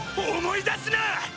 思い出すな！